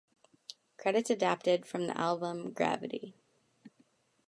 Credits adapted from the album "Gravity".